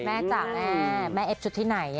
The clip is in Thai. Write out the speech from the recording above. จ้ะแม่แม่เอฟชุดที่ไหน